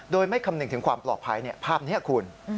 โดยไม่คำนึงถึงความปลอดภัยภาพนี้คุณ